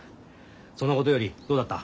そんなことよりどうだった？